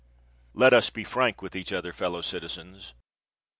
Let us be frank with each other, fellow citizens.